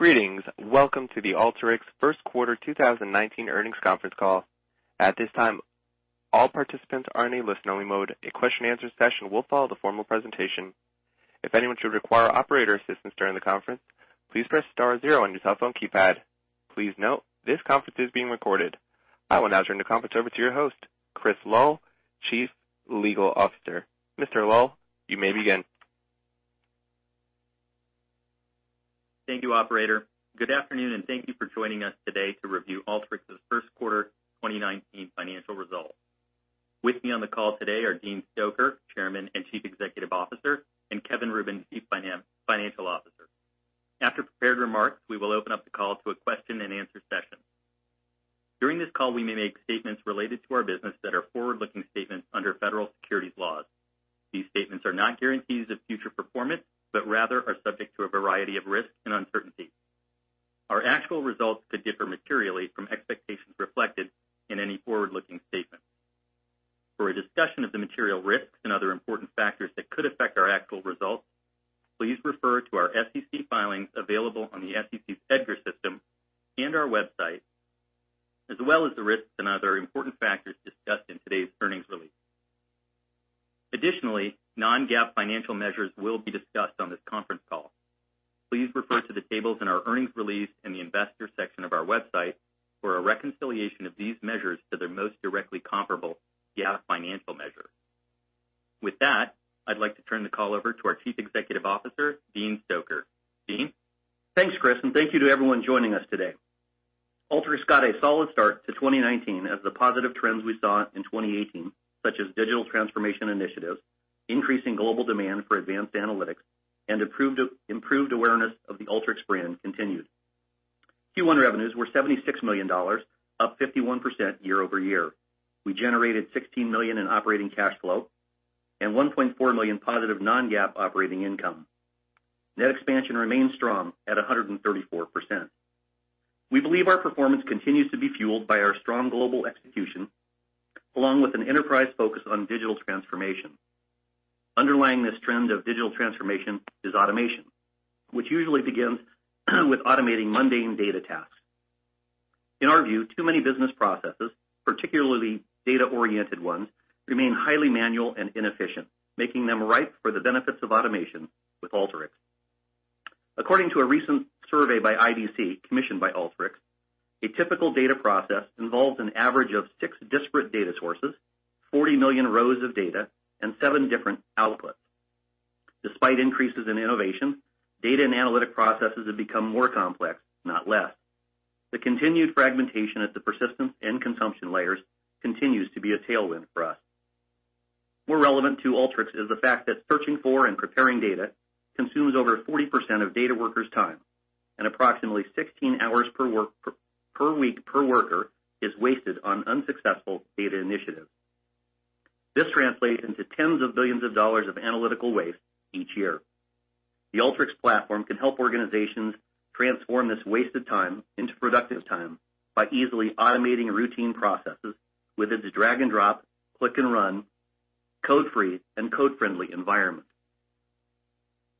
Greetings. Welcome to the Alteryx first quarter 2019 earnings conference call. At this time, all participants are in a listen-only mode. A question and answer session will follow the formal presentation. If anyone should require operator assistance during the conference, please press star zero on your cell phone keypad. Please note this conference is being recorded. I will now turn the conference over to your host, Chris Lal, Chief Legal Officer. Mr. Lal, you may begin. Thank you, operator. Good afternoon, and thank you for joining us today to review Alteryx's first quarter 2019 financial results. With me on the call today are Dean Stoecker, Chairman and Chief Executive Officer, and Kevin Rubin, Chief Financial Officer. After prepared remarks, we will open up the call to a question and answer session. During this call, we may make statements related to our business that are forward-looking statements under federal securities laws. These statements are not guarantees of future performance, but rather are subject to a variety of risks and uncertainties. Our actual results could differ materially from expectations reflected in any forward-looking statement. For a discussion of the material risks and other important factors that could affect our actual results, please refer to our SEC filings available on the SEC's EDGAR system and our website, as well as the risks and other important factors discussed in today's earnings release. Additionally, non-GAAP financial measures will be discussed on this conference call. Please refer to the tables in our earnings release in the investor section of our website for a reconciliation of these measures to their most directly comparable GAAP financial measure. With that, I'd like to turn the call over to our Chief Executive Officer, Dean Stoecker. Dean? Thanks, Chris, and thank you to everyone joining us today. Alteryx got a solid start to 2019 as the positive trends we saw in 2018, such as digital transformation initiatives, increasing global demand for advanced analytics, and improved awareness of the Alteryx brand continued. Q1 revenues were $76 million, up 51% year-over-year. We generated $16 million in operating cash flow and $1.4 million positive non-GAAP operating income. Net expansion remains strong at 134%. We believe our performance continues to be fueled by our strong global execution, along with an enterprise focus on digital transformation. Underlying this trend of digital transformation is automation, which usually begins with automating mundane data tasks. In our view, too many business processes, particularly data-oriented ones, remain highly manual and inefficient, making them ripe for the benefits of automation with Alteryx. According to a recent survey by IDC, commissioned by Alteryx, a typical data process involves an average of six disparate data sources, 40 million rows of data, and seven different outputs. Despite increases in innovation, data and analytic processes have become more complex, not less. The continued fragmentation at the persistence and consumption layers continues to be a tailwind for us. More relevant to Alteryx is the fact that searching for and preparing data consumes over 40% of data workers' time, and approximately 16 hours per week per worker is wasted on unsuccessful data initiatives. This translates into tens of billions of dollars of analytical waste each year. The Alteryx platform can help organizations transform this wasted time into productive time by easily automating routine processes with its drag and drop, click and run, code-free, and code-friendly environment.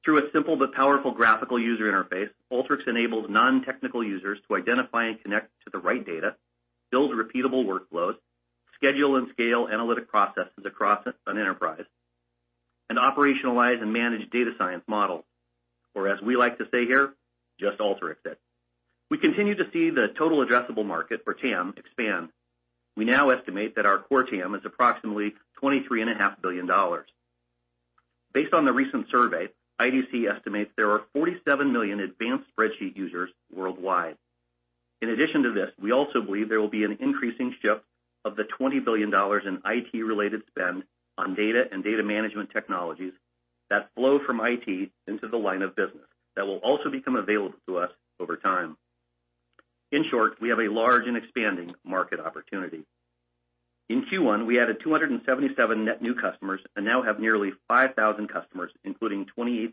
Through a simple but powerful graphical user interface, Alteryx enables non-technical users to identify and connect to the right data, build repeatable workloads, schedule and scale analytic processes across an enterprise, and operationalize and manage data science models. Or as we like to say here, just Alteryx it. We continue to see the total addressable market, or TAM, expand. We now estimate that our core TAM is approximately $23.5 billion. Based on the recent survey, IDC estimates there are 47 million advanced spreadsheet users worldwide. In addition to this, we also believe there will be an increasing shift of the $20 billion in IT-related spend on data and data management technologies that flow from IT into the line of business that will also become available to us over time. In short, we have a large and expanding market opportunity. In Q1, we added 277 net new customers and now have nearly 5,000 customers, including 28%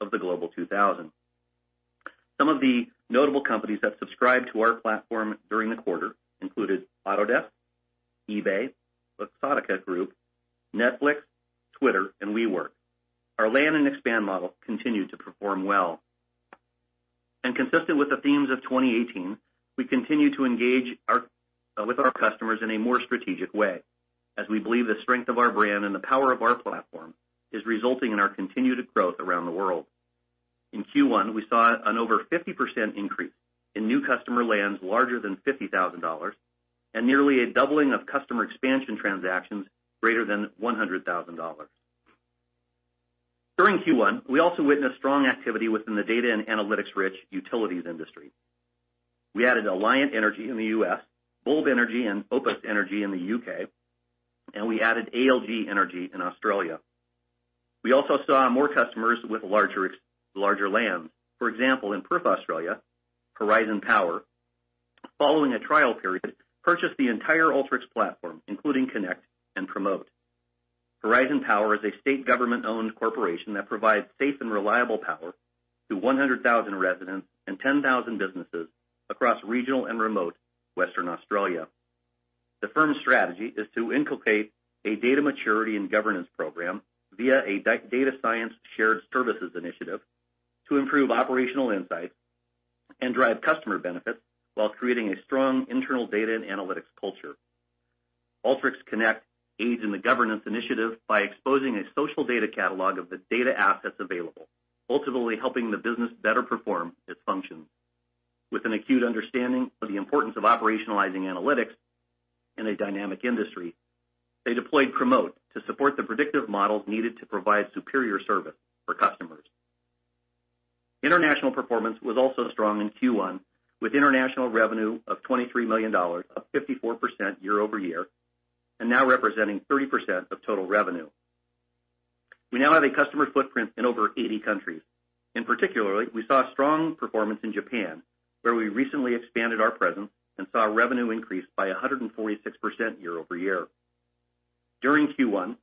of the Global 2000. Some of the notable companies that subscribed to our platform during the quarter included Autodesk, eBay, Luxottica Group, Netflix, Twitter, and WeWork. Our land and expand model continued to perform well. Consistent with the themes of 2018, we continue to engage with our customers in a more strategic way, as we believe the strength of our brand and the power of our platform is resulting in our continued growth around the world. In Q1, we saw an over 50% increase in new customer lands larger than $50,000, and nearly a doubling of customer expansion transactions greater than $100,000. During Q1, we also witnessed strong activity within the data and analytics-rich utilities industry. We added Alliant Energy in the U.S., Bulb Energy and Opus Energy in the U.K., and we added AGL Energy in Australia. We also saw more customers with larger lands. For example, in Perth, Australia, Horizon Power, following a trial period, purchased the entire Alteryx platform, including Connect and Promote. Horizon Power is a state government-owned corporation that provides safe and reliable power to 100,000 residents and 10,000 businesses across regional and remote Western Australia. The firm's strategy is to inculcate a data maturity and governance program via a data science shared services initiative to improve operational insights and drive customer benefits while creating a strong internal data and analytics culture. Alteryx Connect aids in the governance initiative by exposing a social data catalog of the data assets available, ultimately helping the business better perform its functions. With an acute understanding of the importance of operationalizing analytics in a dynamic industry, they deployed Promote to support the predictive models needed to provide superior service for customers. International performance was also strong in Q1, with international revenue of $23 million, up 54% year-over-year, and now representing 30% of total revenue. We now have a customer footprint in over 80 countries. In particular, we saw strong performance in Japan, where we recently expanded our presence and saw revenue increase by 146% year-over-year. During Q1,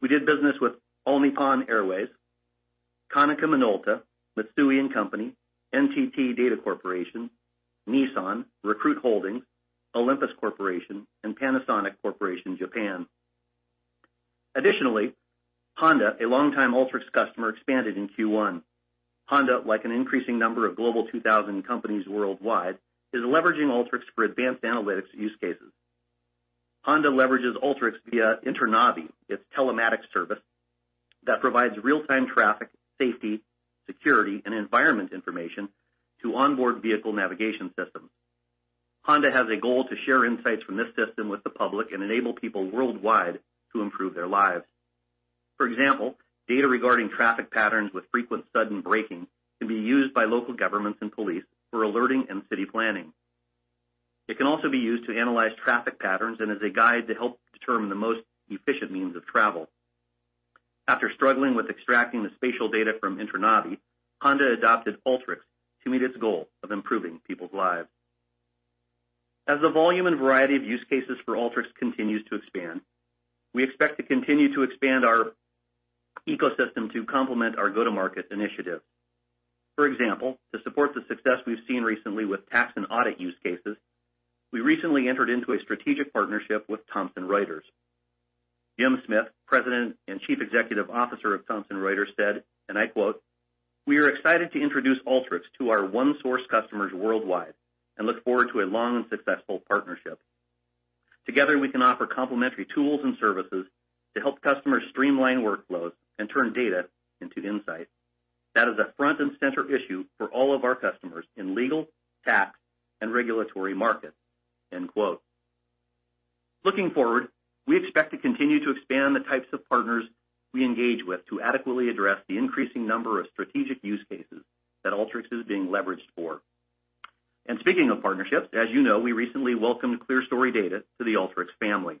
we did business with All Nippon Airways, Konica Minolta, Mitsui & Co., NTT DATA Corporation, Nissan, Recruit Holdings, Olympus Corporation, and Panasonic Corporation Japan. Additionally, Honda, a longtime Alteryx customer, expanded in Q1. Honda, like an increasing number of Global 2000 companies worldwide, is leveraging Alteryx for advanced analytics use cases. Honda leverages Alteryx via Internavi, its telematics service that provides real-time traffic, safety, security, and environment information to onboard vehicle navigation systems. Honda has a goal to share insights from this system with the public and enable people worldwide to improve their lives. For example, data regarding traffic patterns with frequent sudden braking can be used by local governments and police for alerting and city planning. It can also be used to analyze traffic patterns and as a guide to help determine the most efficient means of travel. After struggling with extracting the spatial data from Internavi, Honda adopted Alteryx to meet its goal of improving people's lives. As the volume and variety of use cases for Alteryx continues to expand, we expect to continue to expand our ecosystem to complement our go-to-market initiative. For example, to support the success we've seen recently with tax and audit use cases, we recently entered into a strategic partnership with Thomson Reuters. Jim Smith, President and Chief Executive Officer of Thomson Reuters said, and I quote, "We are excited to introduce Alteryx to our ONESOURCE customers worldwide and look forward to a long and successful partnership. Together, we can offer complementary tools and services to help customers streamline workflows and turn data into insights. That is a front-and-center issue for all of our customers in legal, tax, and regulatory markets." End quote. Looking forward, we expect to continue to expand the types of partners we engage with to adequately address the increasing number of strategic use cases that Alteryx is being leveraged for. Speaking of partnerships, as you know, we recently welcomed ClearStory Data to the Alteryx family.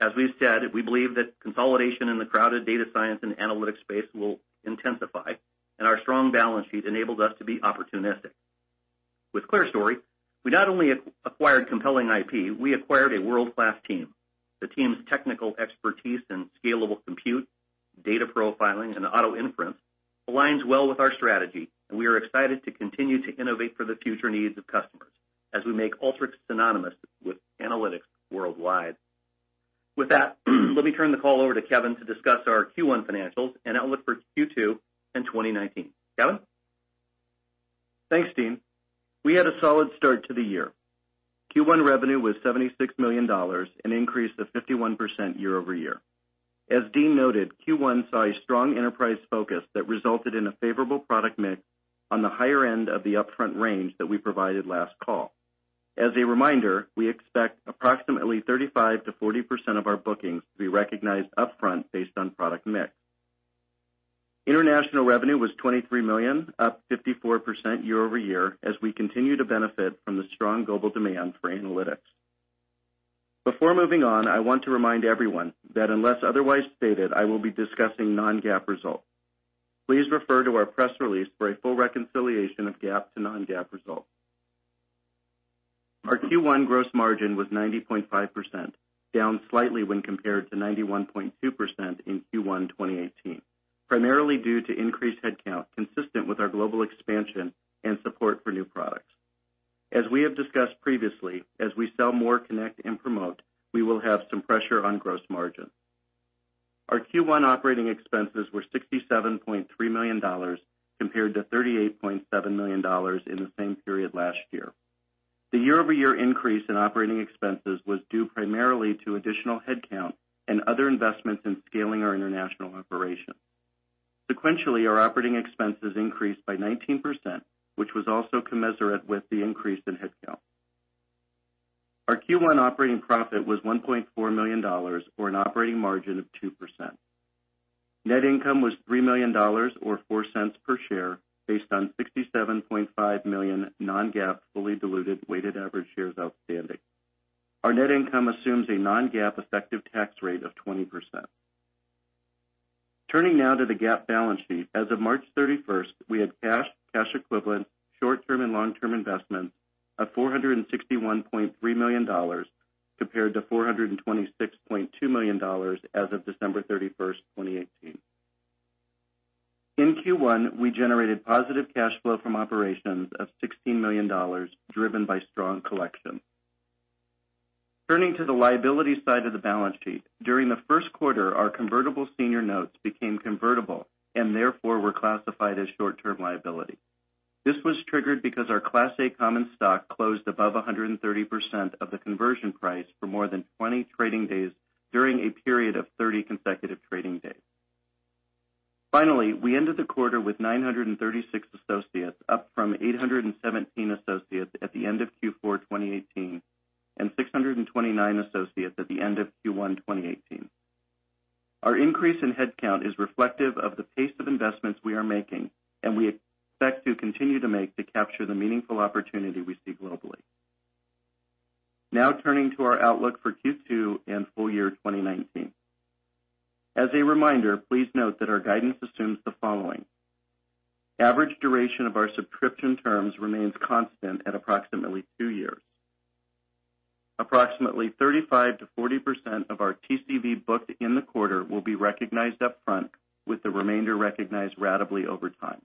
As we've said, we believe that consolidation in the crowded data science and analytics space will intensify, and our strong balance sheet enables us to be opportunistic. With ClearStory, we not only acquired compelling IP, we acquired a world-class team. The team's technical expertise in scalable compute, data profiling, and auto inference aligns well with our strategy, and we are excited to continue to innovate for the future needs of customers as we make Alteryx synonymous with analytics worldwide. With that, let me turn the call over to Kevin to discuss our Q1 financials and outlook for Q2 and 2019. Kevin? Thanks, Dean. Q1 revenue was $76 million, an increase of 51% year-over-year. As Dean noted, Q1 saw a strong enterprise focus that resulted in a favorable product mix on the higher end of the upfront range that we provided last call. As a reminder, we expect approximately 35%-40% of our bookings to be recognized upfront based on product mix. International revenue was $23 million, up 54% year-over-year as we continue to benefit from the strong global demand for analytics. Before moving on, I want to remind everyone that unless otherwise stated, I will be discussing non-GAAP results. Please refer to our press release for a full reconciliation of GAAP to non-GAAP results. Our Q1 gross margin was 90.5%, down slightly when compared to 91.2% in Q1 2018, primarily due to increased headcount consistent with our global expansion and support for new products. As we have discussed previously, as we sell more Connect and Promote, we will have some pressure on gross margin. Our Q1 operating expenses were $67.3 million, compared to $38.7 million in the same period last year. The year-over-year increase in operating expenses was due primarily to additional headcount and other investments in scaling our international operations. Sequentially, our operating expenses increased by 19%, which was also commensurate with the increase in headcount. Our Q1 operating profit was $1.4 million or an operating margin of 2%. Net income was $3 million or $0.04 per share based on 67.5 million non-GAAP fully diluted weighted average shares outstanding. Our net income assumes a non-GAAP effective tax rate of 20%. Turning now to the GAAP balance sheet. As of March 31st, we had cash equivalents, short-term and long-term investments of $461.3 million compared to $426.2 million as of December 31st, 2018. In Q1, we generated positive cash flow from operations of $16 million, driven by strong collection. Turning to the liability side of the balance sheet, during the first quarter, our convertible senior notes became convertible and therefore were classified as short-term liability. This was triggered because our Class A common stock closed above 130% of the conversion price for more than 20 trading days during a period of 30 consecutive trading days. Finally, we ended the quarter with 936 associates, up from 817 associates at the end of Q4 2018 and 629 associates at the end of Q1 2018. Our increase in headcount is reflective of the pace of investments we are making, and we expect to continue to make to capture the meaningful opportunity we see globally. Now turning to our outlook for Q2 and full year 2019. As a reminder, please note that our guidance assumes the following. Average duration of our subscription terms remains constant at approximately two years. Approximately 35%-40% of our TCV booked in the quarter will be recognized upfront, with the remainder recognized ratably over time.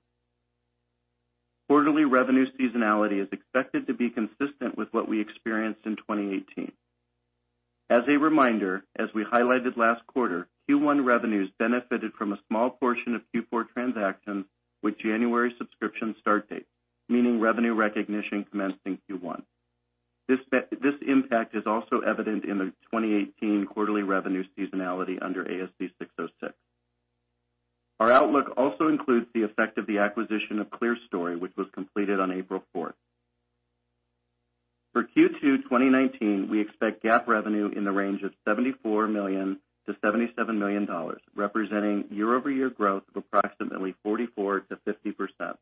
Quarterly revenue seasonality is expected to be consistent with what we experienced in 2018. As a reminder, as we highlighted last quarter, Q1 revenues benefited from a small portion of Q4 transactions with January subscription start dates, meaning revenue recognition commencing Q1. This impact is also evident in the 2018 quarterly revenue seasonality under ASC 606. Our outlook also includes the effect of the acquisition of ClearStory, which was completed on April 4th. For Q2 2019, we expect GAAP revenue in the range of $74 million-$77 million, representing year-over-year growth of approximately 44%-50%.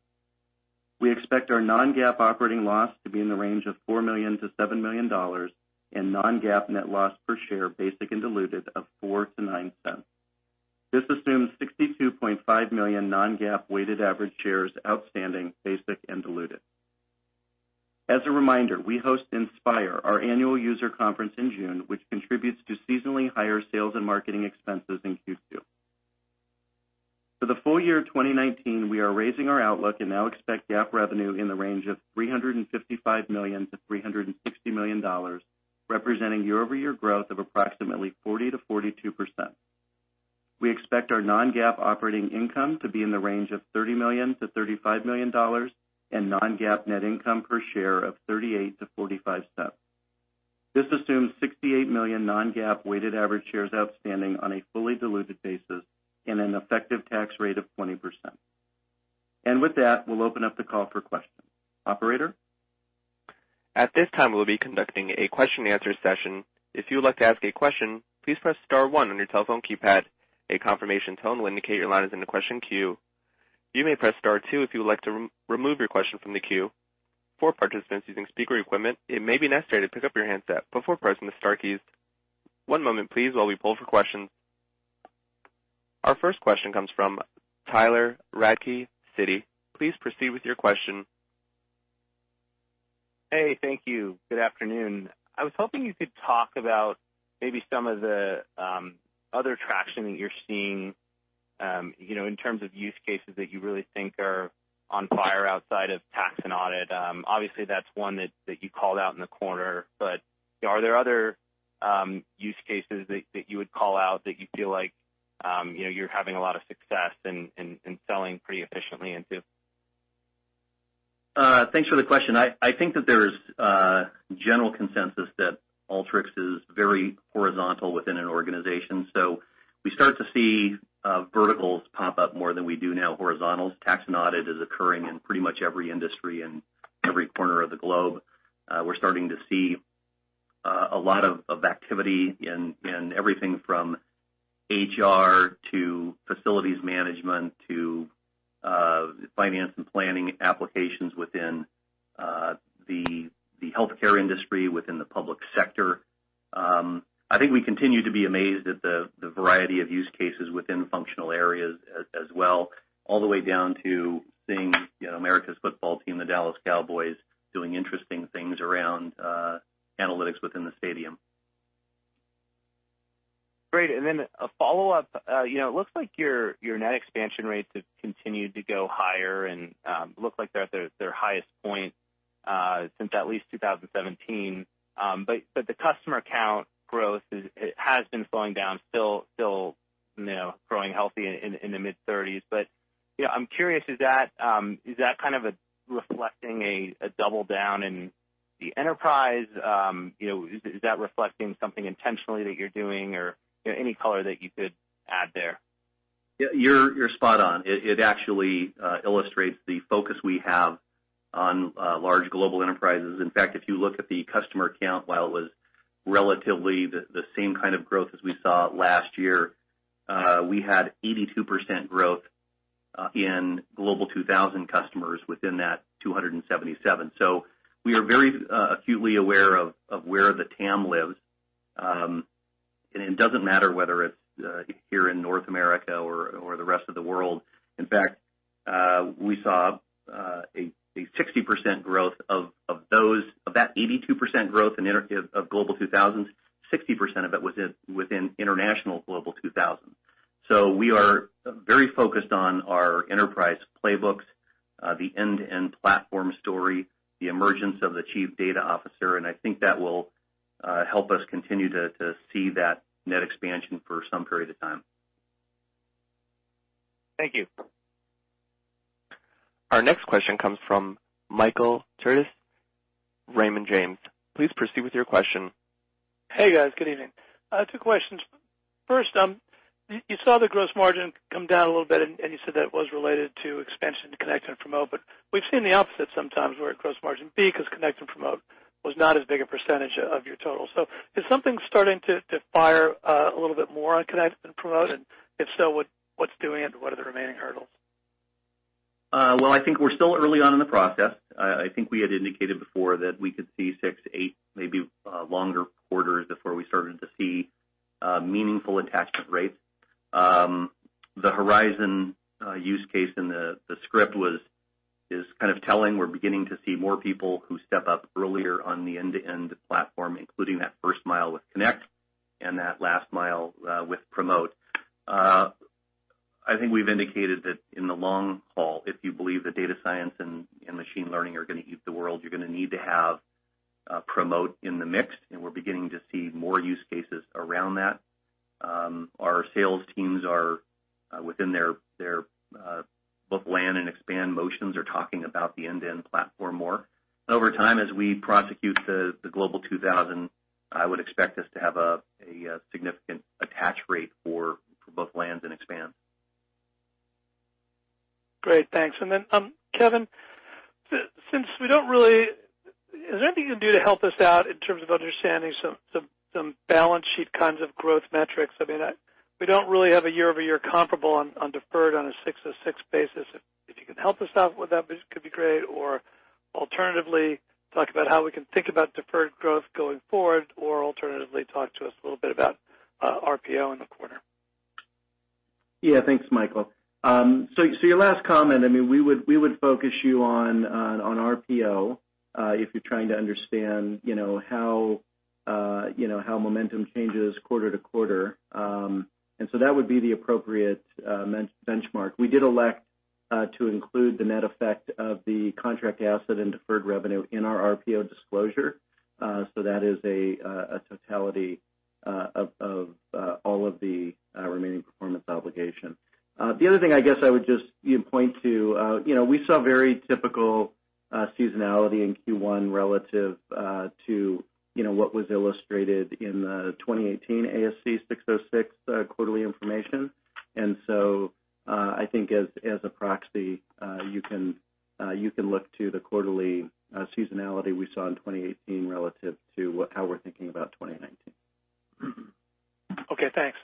We expect our non-GAAP operating loss to be in the range of $4 million-$7 million, and non-GAAP net loss per share, basic and diluted, of $0.04-$0.09. This assumes 62.5 million non-GAAP weighted average shares outstanding, basic and diluted. As a reminder, we host Inspire, our annual user conference in June, which contributes to seasonally higher sales and marketing expenses in Q2. For the full year 2019, we are raising our outlook and now expect GAAP revenue in the range of $355 million-$360 million, representing year-over-year growth of approximately 40%-42%. We expect our non-GAAP operating income to be in the range of $30 million-$35 million and non-GAAP net income per share of $0.38-$0.45. This assumes 68 million non-GAAP weighted average shares outstanding on a fully diluted basis and an effective tax rate of 20%. With that, we'll open up the call for questions. Operator? At this time, we'll be conducting a question and answer session. If you would like to ask a question, please press star one on your telephone keypad. A confirmation tone will indicate your line is in the question queue. You may press star two if you would like to remove your question from the queue. For participants using speaker equipment, it may be necessary to pick up your handset before pressing the star keys. One moment, please, while we pull for questions. Our first question comes from Tyler Radke, Citi. Please proceed with your question. Hey, thank you. Good afternoon. I was hoping you could talk about maybe some of the other traction that you're seeing, in terms of use cases that you really think are on fire outside of tax and audit. Obviously, that's one that you called out in the quarter, but are there other use cases that you would call out that you feel like you're having a lot of success in selling pretty efficiently into? Thanks for the question. I think that there's a general consensus that Alteryx is very horizontal within an organization. We start to see verticals pop up more than we do now horizontals. Tax and audit is occurring in pretty much every industry and every corner of the globe. We're starting to see a lot of activity in everything from HR to facilities management to finance and planning applications within the healthcare industry, within the public sector. I think we continue to be amazed at the variety of use cases within functional areas as well, all the way down to seeing America's football team, the Dallas Cowboys, doing interesting things around analytics within the stadium. Great. A follow-up. It looks like your net expansion rates have continued to go higher, and looks like they're at their highest point since at least 2017. The customer count growth has been slowing down, still growing healthy in the mid-30s. I'm curious, is that kind of reflecting a double-down in the enterprise? Is that reflecting something intentionally that you're doing or any color that you could add there? You're spot on. It actually illustrates the focus we have on large global enterprises. In fact, if you look at the customer count, while it was relatively the same kind of growth as we saw last year, we had 82% growth in Global 2000 customers within that 277. We are very acutely aware of where the TAM lives. It doesn't matter whether it's here in North America or the rest of the world. In fact, we saw a 60% growth of Of that 82% growth of Global 2000, 60% of it was within international Global 2000. We are very focused on our enterprise playbooks, the end-to-end platform story, the emergence of the chief data officer, and I think that will help us continue to see that net expansion for some period of time. Thank you. Our next question comes from Michael Turits, Raymond James. Please proceed with your question. Hey, guys. Good evening. Two questions. First, you saw the gross margin come down a little bit, and you said that it was related to expansion to Connect and Promote, but we've seen the opposite sometimes where gross margin peak is Connect and Promote was not as big a percentage of your total. Is something starting to fire a little bit more on Connect and Promote? If so, what's doing it? What are the remaining hurdles? Well, I think we're still early on in the process. I think we had indicated before that we could see six, eight, maybe longer quarters before we started to see meaningful attachment rates. The Horizon use case in the script is kind of telling. We're beginning to see more people who step up earlier on the end-to-end platform, including that first mile with Connect and that last mile with Promote. I think we've indicated that in the long haul, if you believe that data science and machine learning are going to eat the world, you're going to need to have Promote in the mix, and we're beginning to see more use cases around that. Our sales teams are within their both land and expand motions are talking about the end-to-end platform more. Over time, as we prosecute the Global 2000, I would expect us to have a significant attach rate for both lands and expand. Great. Thanks. Then, Kevin, is there anything you can do to help us out in terms of understanding some balance sheet kinds of growth metrics? We don't really have a year-over-year comparable on deferred on a 606 basis. If you can help us out with that could be great, or alternatively, talk about how we can think about deferred growth going forward, or alternatively, talk to us a little bit about RPO in the quarter. Yeah. Thanks, Michael. Your last comment, we would focus you on RPO, if you're trying to understand how momentum changes quarter-to-quarter. That would be the appropriate benchmark. We did elect to include the net effect of the contract asset and deferred revenue in our RPO disclosure. That is a totality of all of the remaining performance obligation. The other thing, I guess, I would just point to, we saw very typical seasonality in Q1 relative to what was illustrated in the 2018 ASC 606 quarterly information. I think as a proxy, you can look to the quarterly seasonality we saw in 2018 relative to how we're thinking about 2019. Okay, thanks.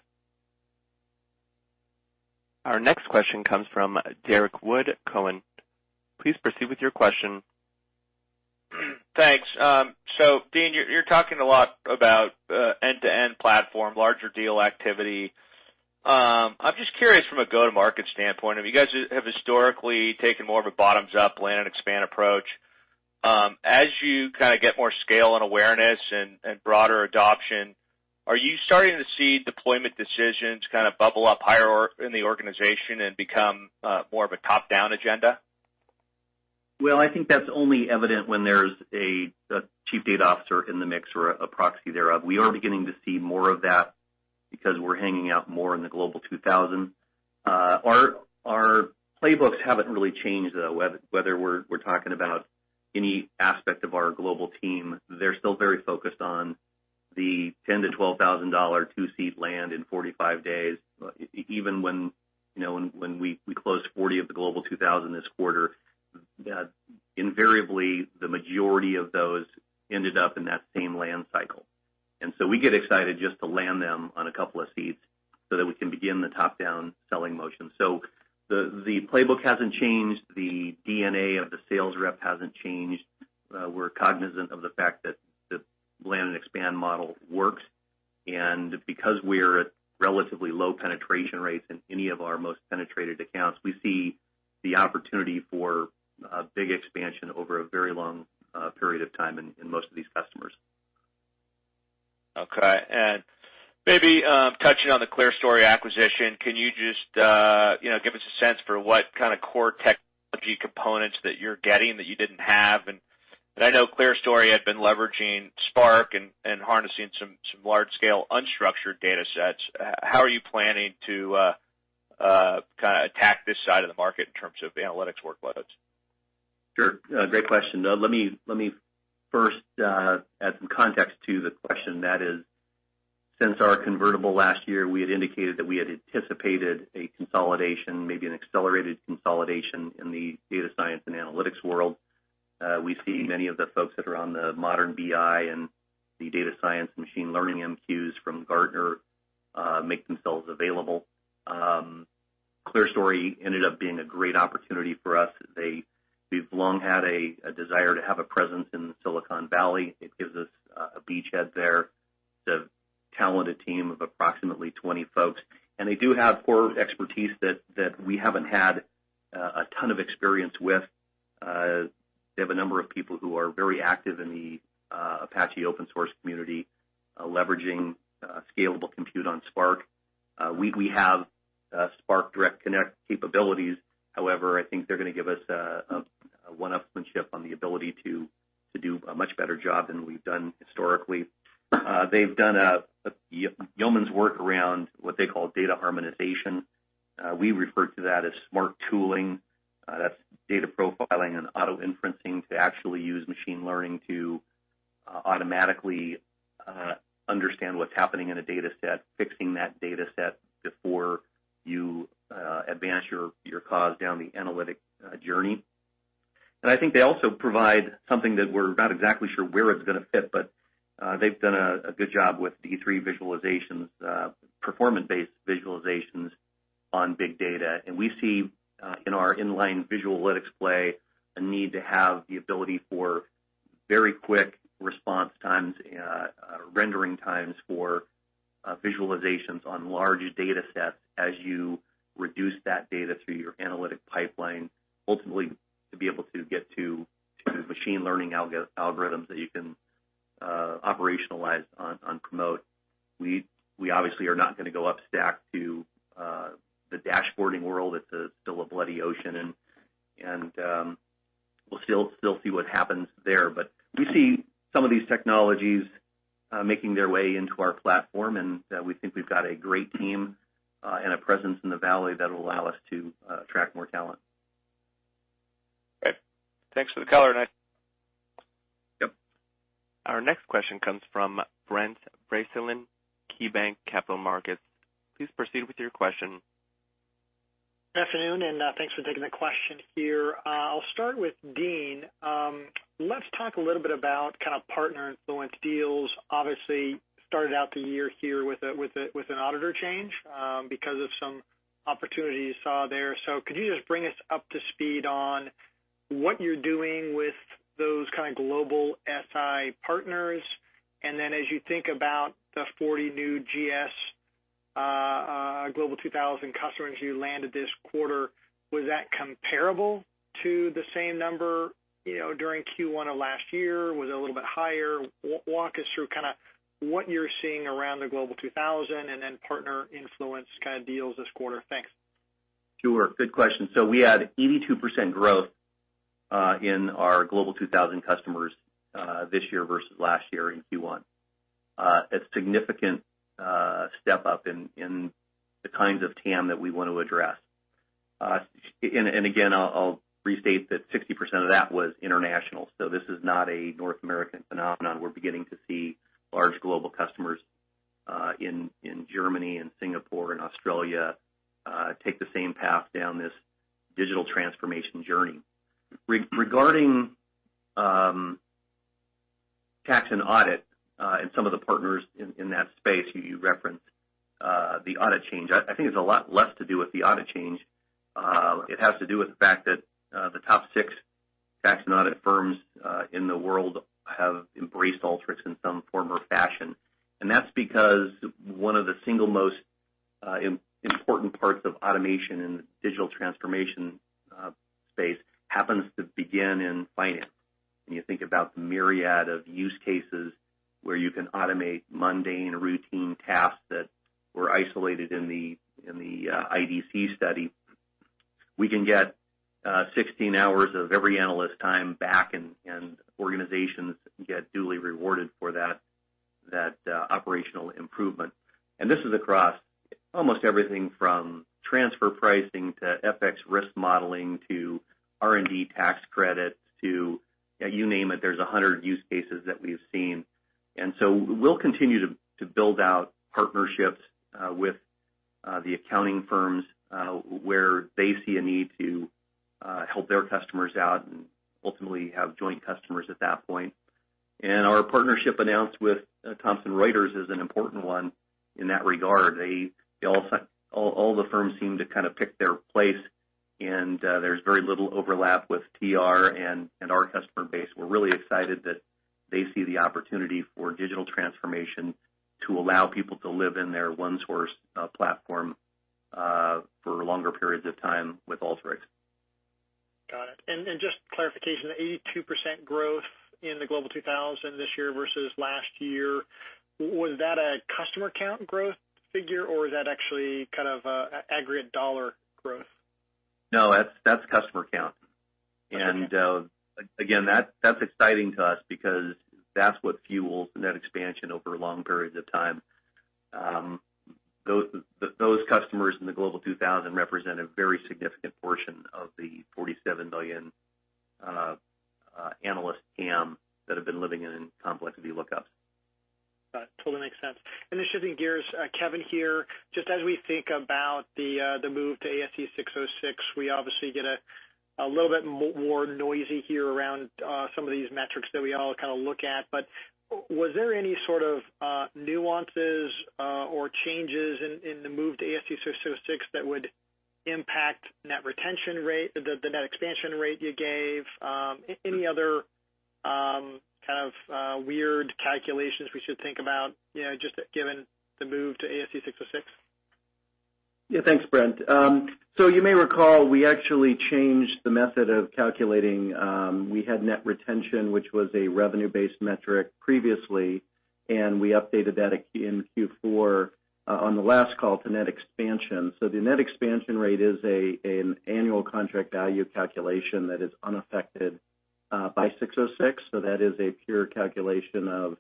Our next question comes from Derrick Wood, Cowen. Please proceed with your question. Thanks. Dean, you're talking a lot about end-to-end platform, larger deal activity. I'm just curious from a go-to-market standpoint, have you guys historically taken more of a bottoms-up land and expand approach? As you get more scale and awareness and broader adoption, are you starting to see deployment decisions bubble up higher in the organization and become more of a top-down agenda? I think that's only evident when there's a chief data officer in the mix or a proxy thereof. We are beginning to see more of that because we're hanging out more in the Global 2000. Our playbooks haven't really changed, though, whether we're talking about any aspect of our global team. They're still very focused on the $10,000-$12,000 two-seat land in 45 days. Even when we closed 40 of the Global 2000 this quarter, invariably, the majority of those ended up in that same land cycle. We get excited just to land them on a couple of seats so that we can begin the top-down selling motion. The playbook hasn't changed. The DNA of the sales rep hasn't changed. We're cognizant of the fact that the land and expand model works, because we're at relatively low penetration rates in any of our most penetrated accounts, we see the opportunity for a big expansion over a very long period of time in most of these customers. Okay. Maybe touching on the ClearStory acquisition, can you just give us a sense for what kind of core technology components that you're getting that you didn't have? I know ClearStory had been leveraging Spark and harnessing some large-scale unstructured data sets. How are you planning to attack this side of the market in terms of analytics workloads? Sure. Great question. Let me first add some context to the question. That is, since our convertible last year, we had indicated that we had anticipated a consolidation, maybe an accelerated consolidation in the data science and analytics world. We see many of the folks that are on the modern BI and the data science machine learning MQs from Gartner make themselves available. ClearStory ended up being a great opportunity for us. We've long had a desire to have a presence in Silicon Valley. It gives us a beachhead there to talented team of approximately 20 folks, and they do have core expertise that we haven't had a ton of experience with. They have a number of people who are very active in the Apache open source community, leveraging scalable compute on Spark. We have Spark direct connect capabilities. However, I think they're going to give us a one-upsmanship on the ability to do a much better job than we've done historically. They've done a yeoman's work around what they call data harmonization. We refer to that as smart tooling. That's data profiling and auto-inferencing to actually use machine learning to automatically understand what's happening in a data set, fixing that data set before you advance your cause down the analytic journey. I think they also provide something that we're not exactly sure where it's going to fit, but they've done a good job with D3 visualizations, performance-based visualizations on big data. We see, in our inline Visualytics play, a need to have the ability for very quick response times, rendering times for visualizations on large data sets as you reduce that data through your analytic pipeline, ultimately, to be able to get to machine learning algorithms that you can operationalize on Promote. We obviously are not going to go up stack to the dashboarding world. It's still a bloody ocean, and we'll still see what happens there. We see some of these technologies making their way into our platform, and we think we've got a great team and a presence in the Valley that'll allow us to attract more talent. Great. Thanks for the color. Yep. Our next question comes from Brent Bracelin, KeyBanc Capital Markets. Please proceed with your question. Good afternoon. Thanks for taking the question here. I'll start with Dean. Let's talk a little bit about partner-influenced deals. Obviously, started out the year here with an auditor change because of some opportunities you saw there. Could you just bring us up to speed on what you're doing with those kind of global SI partners? Then as you think about the 40 new GS Global 2000 customers you landed this quarter, was that comparable to the same number during Q1 of last year? Was it a little bit higher? Walk us through what you're seeing around the Global 2000 and then partner influence deals this quarter. Thanks. Sure. Good question. We had 82% growth in our Global 2000 customers this year versus last year in Q1. A significant step up in the kinds of TAM that we want to address. Again, I'll restate that 60% of that was international. This is not a North American phenomenon. We're beginning to see large global customers in Germany and Singapore and Australia take the same path down this digital transformation journey. Regarding tax and audit, some of the partners in that space, you referenced the audit change. I think it's a lot less to do with the audit change. It has to do with the fact that the top six tax and audit firms in the world have embraced Alteryx in some form or fashion. That's because one of the single most important parts of automation in the digital transformation space happens to begin in finance. When you think about the myriad of use cases where you can automate mundane routine tasks that were isolated in the IDC study, we can get 16 hours of every analyst's time back, and organizations get duly rewarded for that operational improvement. This is across almost everything from transfer pricing to FX risk modeling to R&D tax credits to, you name it. There's 100 use cases that we've seen. We'll continue to build out partnerships with the accounting firms, where they see a need to help their customers out and ultimately have joint customers at that point. Our partnership announced with Thomson Reuters is an important one in that regard. All the firms seem to pick their place, and there's very little overlap with TR and our customer base. We're really excited that they see the opportunity for digital transformation to allow people to live in their ONESOURCE platform for longer periods of time with Alteryx. Got it. Just clarification, the 82% growth in the Global 2000 this year versus last year, was that a customer count growth figure, or is that actually kind of aggregate dollar growth? No, that's customer count. Okay. Again, that's exciting to us because that's what fuels net expansion over long periods of time. Those customers in the Global 2000 represent a very significant portion of the $47 million analyst TAM that have been living in complex Excel lookups. Got it. Totally makes sense. Shifting gears, Kevin here, just as we think about the move to ASC 606, we obviously get a little bit more noisy here around some of these metrics that we all look at. Was there any sort of nuances or changes in the move to ASC 606 that would impact the net expansion rate you gave? Any other kind of weird calculations we should think about, just given the move to ASC 606? Yeah. Thanks, Brent. You may recall, we actually changed the method of calculating. We had net retention, which was a revenue-based metric previously, and we updated that in Q4 on the last call to net expansion. The net expansion rate is an annual contract value calculation that is unaffected by 606. That is a pure calculation of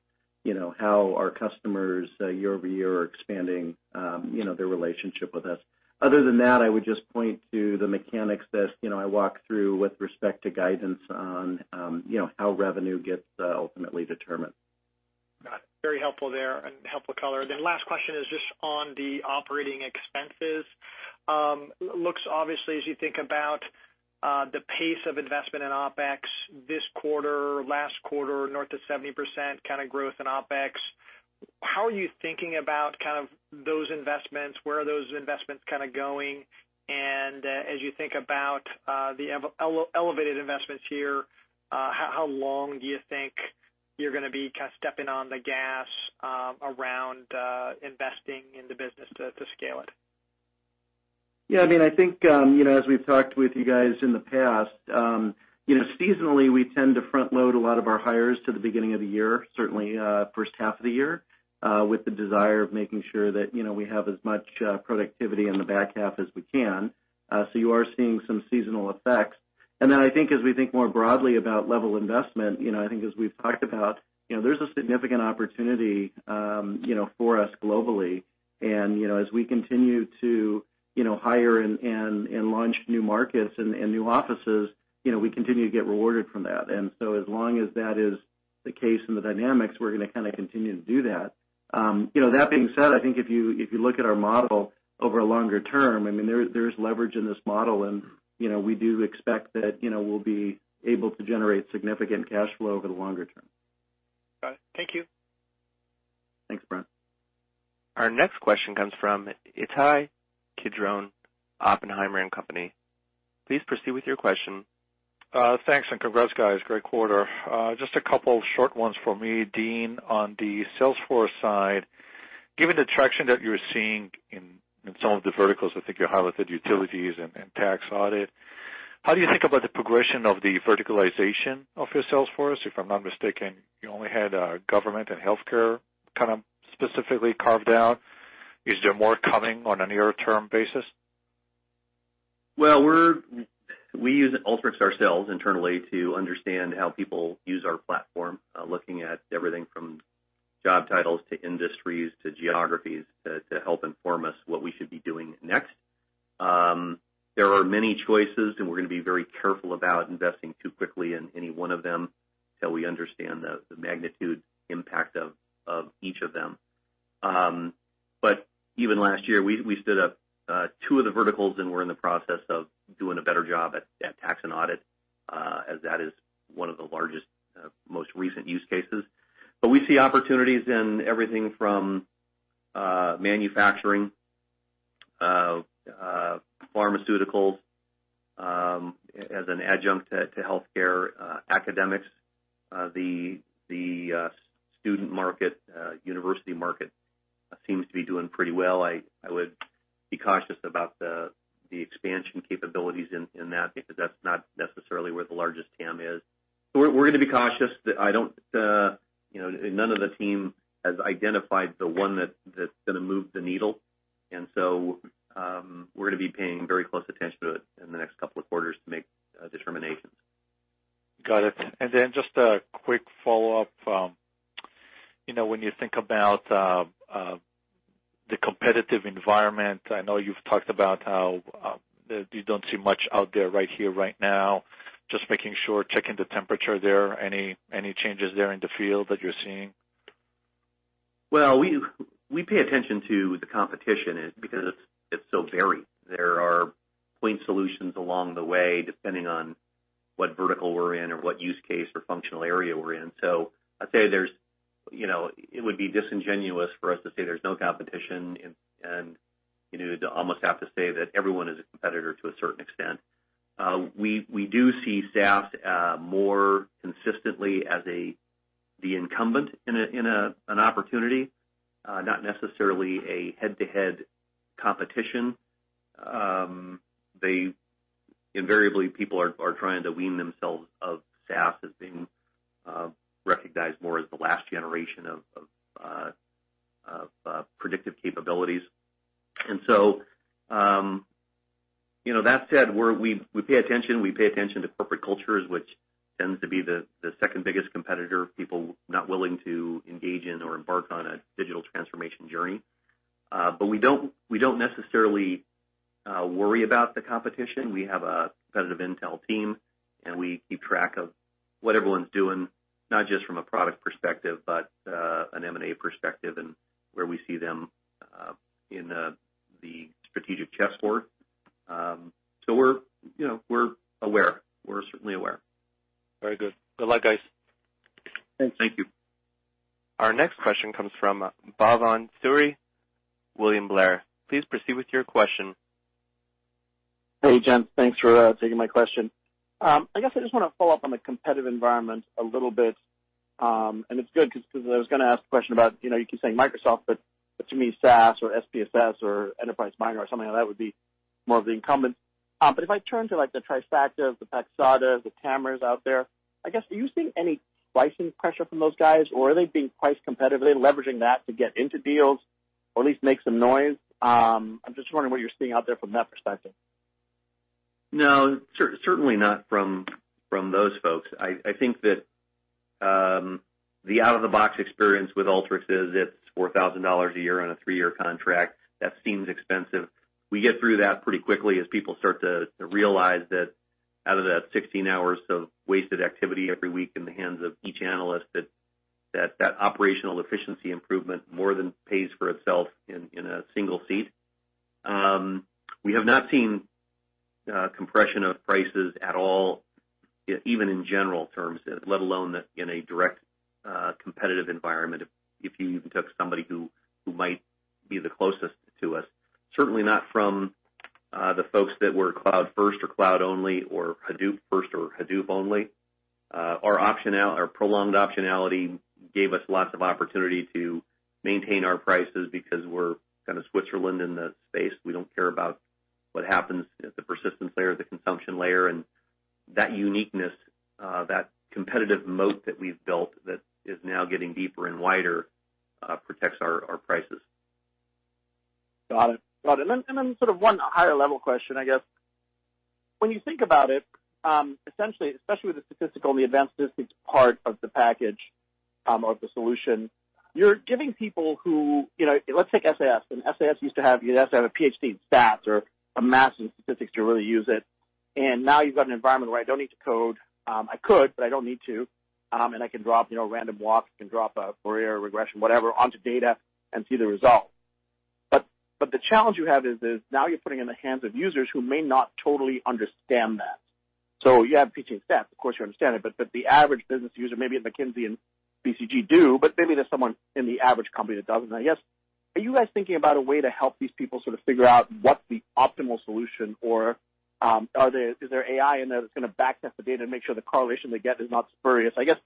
how our customers year-over-year are expanding their relationship with us. Other than that, I would just point to the mechanics that I walked through with respect to guidance on how revenue gets ultimately determined. Got it. Very helpful there and helpful color. Last question is just on the operating expenses. Looks obviously, as you think about the pace of investment in OpEx this quarter, last quarter, north of 70% kind of growth in OpEx, how are you thinking about those investments? Where are those investments going? As you think about the elevated investments here, how long do you think you're going to be stepping on the gas around investing in the business to scale it? Yeah, I think as we've talked with you guys in the past, seasonally, we tend to front-load a lot of our hires to the beginning of the year, certainly first half of the year, with the desire of making sure that we have as much productivity in the back half as we can. You are seeing some seasonal effects. I think as we think more broadly about level investment, I think as we've talked about, there's a significant opportunity for us globally. As we continue to hire and launch new markets and new offices, we continue to get rewarded from that. As long as that is the case and the dynamics, we're going to continue to do that. That being said, I think if you look at our model over a longer term, there's leverage in this model, and we do expect that we'll be able to generate significant cash flow over the longer term. Got it. Thank you. Thanks, Brent. Our next question comes from Ittai Kidron, Oppenheimer & Co. Please proceed with your question. Thanks, congrats, guys. Great quarter. Just a couple short ones for me. Dean, on the sales force side, given the traction that you're seeing in some of the verticals, I think you highlighted utilities and tax audit, how do you think about the progression of the verticalization of your sales force? If I'm not mistaken, you only had government and healthcare kind of specifically carved out. Is there more coming on a near-term basis? Well, we use Alteryx ourselves internally to understand how people use our platform, looking at everything from job titles to industries to geographies to help inform us what we should be doing next. There are many choices, we're going to be very careful about investing too quickly in any one of them till we understand the magnitude impact of each of them. Even last year, we stood up two of the verticals, we're in the process of doing a better job at tax and audit, as that is one of the largest, most recent use cases. We see opportunities in everything from manufacturing, pharmaceuticals as an adjunct to healthcare, academics. The student market, university market seems to be doing pretty well. I would be cautious about the expansion capabilities in that because that's not necessarily where the largest TAM is. We're going to be cautious. None of the team has identified the one that's going to move the needle. We're going to be paying very close attention to it in the next couple of quarters to make determinations. Got it. Just a quick follow-up. When you think about the competitive environment, I know you've talked about how you don't see much out there right here, right now. Just making sure, checking the temperature there. Any changes there in the field that you're seeing? Well, we pay attention to the competition because it's so varied. There are point solutions along the way, depending on what vertical we're in or what use case or functional area we're in. I'd say it would be disingenuous for us to say there's no competition, and you'd almost have to say that everyone is a competitor to a certain extent. We do see SaaS more consistently as the incumbent in an opportunity, not necessarily a head-to-head competition. Invariably, people are trying to wean themselves of SaaS as being recognized more as the last generation of predictive capabilities. That said, we pay attention to corporate cultures, which tends to be the second biggest competitor, people not willing to engage in or embark on a digital transformation journey. We don't necessarily worry about the competition. We have a competitive intel team. We keep track of what everyone's doing, not just from a product perspective, but an M&A perspective and where we see them in the strategic chessboard. We're aware. We're certainly aware. Very good. Good luck, guys. Thanks. Thank you. Our next question comes from Bhavan Suri, William Blair. Please proceed with your question. Hey, gents. Thanks for taking my question. I guess I just want to follow up on the competitive environment a little bit. It's good because I was going to ask a question about, you keep saying Microsoft, but to me, SAS or SPSS or Enterprise Miner or something like that would be more of the incumbent. If I turn to the Trifactas, the Paxatas, the Tamrs out there, I guess, are you seeing any pricing pressure from those guys, or are they being price competitive? Are they leveraging that to get into deals or at least make some noise? I'm just wondering what you're seeing out there from that perspective. No, certainly not from those folks. I think that the out-of-the-box experience with Alteryx is it's $4,000 a year on a three-year contract. That seems expensive. We get through that pretty quickly as people start to realize that out of that 16 hours of wasted activity every week in the hands of each analyst, that that operational efficiency improvement more than pays for itself in a single seat. We have not seen compression of prices at all, even in general terms, let alone in a direct competitive environment, if you even took somebody who might be the closest to us. Certainly not from the folks that were cloud-first or cloud-only, or Hadoop-first or Hadoop-only. Our prolonged optionality gave us lots of opportunity to maintain our prices because we're kind of Switzerland in the space. We don't care about what happens at the persistence layer, the consumption layer, and that uniqueness, that competitive moat that we've built that is now getting deeper and wider, protects our prices. Got it. Sort of one higher-level question, I guess. When you think about it, essentially, especially with the statistical and the advanced statistics part of the package of the solution, you're giving people who, let's take SAS. SAS, you'd have to have a PhD in stats or a master's in statistics to really use it. Now you've got an environment where I don't need to code. I could, but I don't need to. I can drop random walks, I can drop a Fourier regression, whatever, onto data and see the result. The challenge you have is now you're putting it in the hands of users who may not totally understand that. You have PhD in stats, of course, you understand it, but the average business user, maybe at McKinsey and BCG do, but maybe there's someone in the average company that doesn't. I guess, are you guys thinking about a way to help these people sort of figure out what the optimal solution or is there AI in there that's going to back test the data to make sure the correlation they get is not spurious? I guess,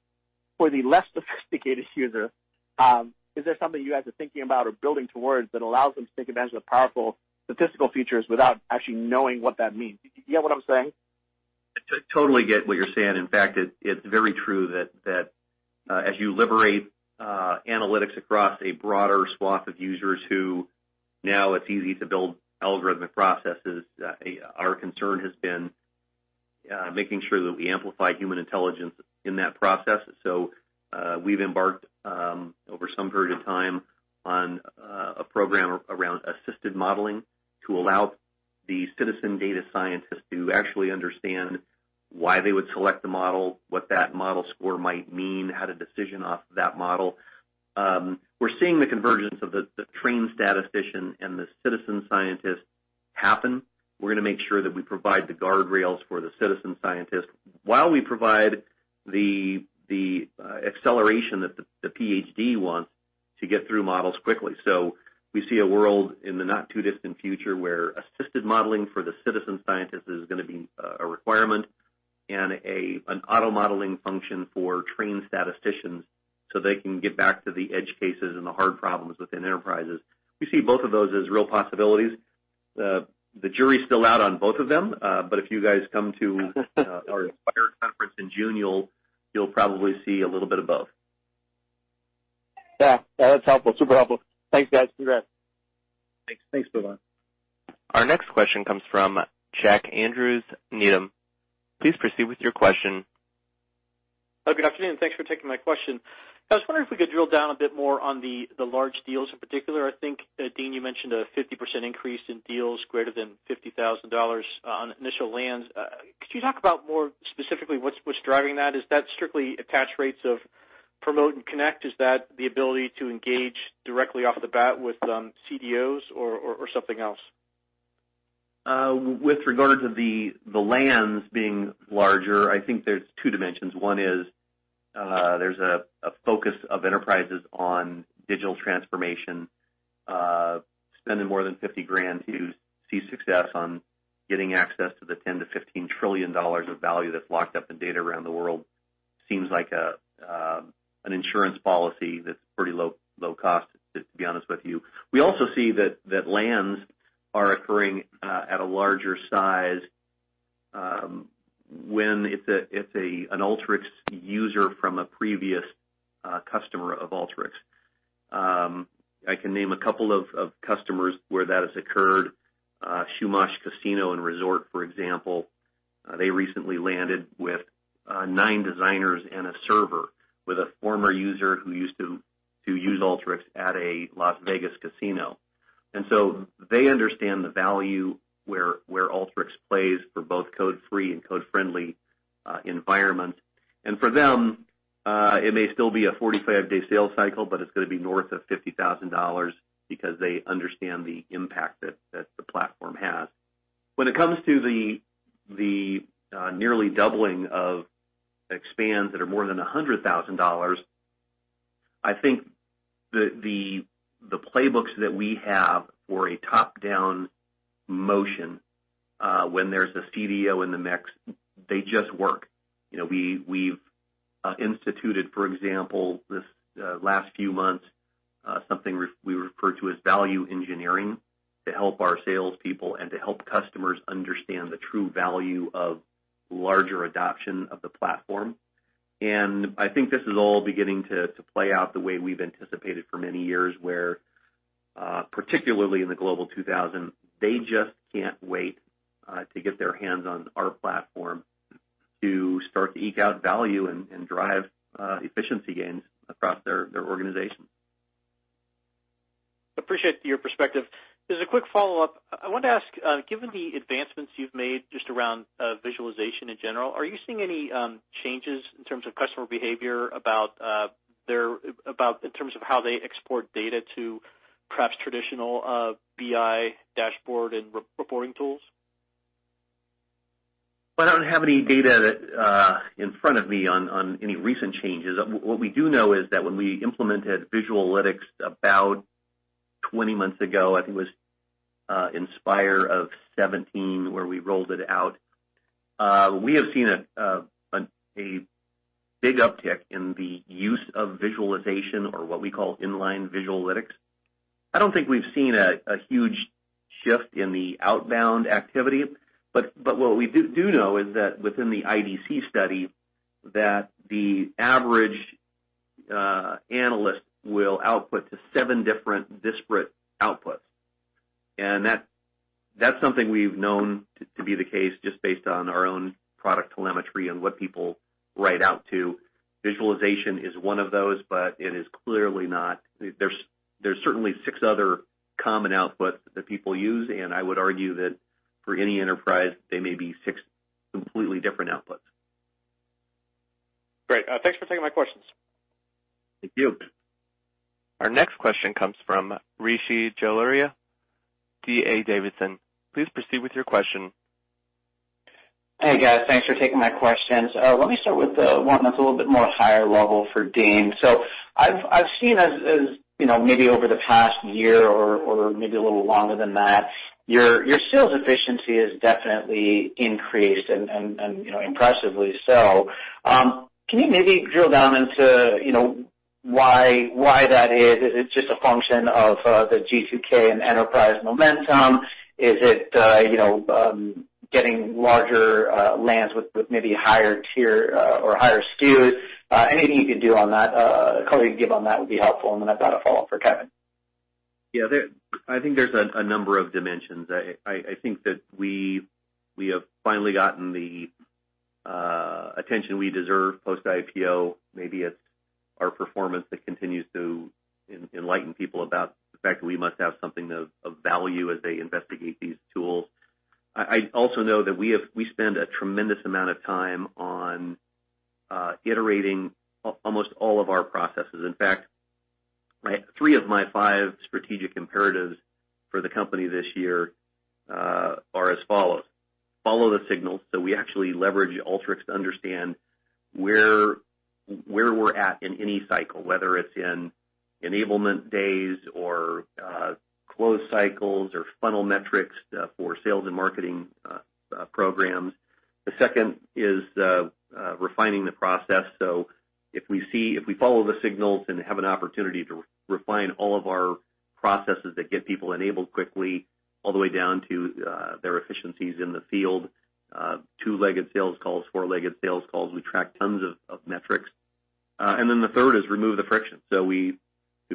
for the less sophisticated user, is there something you guys are thinking about or building towards that allows them to take advantage of the powerful statistical features without actually knowing what that means? Do you get what I'm saying? I totally get what you're saying. In fact, it's very true that as you liberate analytics across a broader swath of users who now it's easy to build algorithmic processes, our concern has been making sure that we amplify human intelligence in that process. We've embarked, over some period of time, on a program around assisted modeling to allow the citizen data scientist to actually understand why they would select the model, what that model score might mean, how to decision off of that model. We're seeing the convergence of the trained statistician and the citizen scientist happen. We're going to make sure that we provide the guardrails for the citizen scientist while we provide the acceleration that the PhD wants to get through models quickly. We see a world in the not-too-distant future where assisted modeling for the citizen scientist is going to be a requirement and an auto-modeling function for trained statisticians so they can get back to the edge cases and the hard problems within enterprises. We see both of those as real possibilities. The jury's still out on both of them. If you guys come to our Inspire conference in June, you'll probably see a little bit of both. Yeah. That's helpful. Super helpful. Thanks, guys. Congrats. Thanks. Thanks, Bhavan. Our next question comes from Jack Andrews, Needham. Please proceed with your question. Good afternoon. Thanks for taking my question. I was wondering if we could drill down a bit more on the large deals. In particular, I think, Dean, you mentioned a 50% increase in deals greater than $50,000 on initial lands. Could you talk about more specifically what's driving that? Is that strictly attach rates of Promote and Connect? Is that the ability to engage directly off the bat with CDOs or something else? With regards of the lands being larger, I think there's two dimensions. One is, there's a focus of enterprises on digital transformation. Spending more than $50,000 to see success on getting access to the $10 trillion to $15 trillion of value that's locked up in data around the world seems like an insurance policy that's pretty low cost, to be honest with you. We also see that lands are occurring at a larger size when it's an Alteryx user from a previous customer of Alteryx. I can name a couple of customers where that has occurred. Chumash Casino Resort, for example. They recently landed with nine designers and a server with a former user who used to use Alteryx at a Las Vegas casino. So they understand the value where Alteryx plays for both code-free and code-friendly environments. For them, it may still be a 45-day sales cycle, but it's going to be north of $50,000 because they understand the impact that the platform has. When it comes to the nearly doubling of expands that are more than $100,000. I think the playbooks that we have for a top-down motion, when there's a CDO in the mix, they just work. We've instituted, for example, this last few months, something we refer to as value engineering to help our salespeople and to help customers understand the true value of larger adoption of the platform. I think this is all beginning to play out the way we've anticipated for many years, where, particularly in the Global 2000, they just can't wait to get their hands on our platform to start to eke out value and drive efficiency gains across their organization. Appreciate your perspective. As a quick follow-up, I wanted to ask, given the advancements you've made just around visualization in general, are you seeing any changes in terms of customer behavior in terms of how they export data to perhaps traditional BI dashboard and reporting tools? Well, I don't have any data in front of me on any recent changes. What we do know is that when we implemented Visualytics about 20 months ago, I think it was Inspire of 2017 where we rolled it out, we have seen a big uptick in the use of visualization or what we call inline Visualytics. I don't think we've seen a huge shift in the outbound activity, but what we do know is that within the IDC study, that the average analyst will output to seven different disparate outputs. That's something we've known to be the case just based on our own product telemetry and what people write out to. Visualization is one of those, but there's certainly six other common outputs that people use, and I would argue that for any enterprise, they may be six completely different outputs. Great. Thanks for taking my questions. Thank you. Our next question comes from Rishi Jaluria, D.A. Davidson. Please proceed with your question. Hey, guys. Thanks for taking my questions. Let me start with the one that's a little bit more higher level for Dean. I've seen as maybe over the past year or maybe a little longer than that, your sales efficiency has definitely increased, and impressively so. Can you maybe drill down into why that is? Is it just a function of the G2K and enterprise momentum? Is it getting larger lands with maybe higher tier or higher SKUs? Anything you can color you can give on that would be helpful, and then I've got a follow-up for Kevin. Yeah. I think there's a number of dimensions. I think that we have finally gotten the attention we deserve post-IPO. Maybe it's our performance that continues to enlighten people about the fact that we must have something of value as they investigate these tools. I also know that we spend a tremendous amount of time on iterating almost all of our processes. In fact, three of my five strategic imperatives for the company this year are as follows. Follow the signals, we actually leverage Alteryx to understand where we're at in any cycle, whether it's in enablement days or close cycles or funnel metrics for sales and marketing programs. The second is refining the process. If we follow the signals and have an opportunity to refine all of our processes that get people enabled quickly, all the way down to their efficiencies in the field, two-legged sales calls, four-legged sales calls, we track tons of metrics. The third is remove the friction. We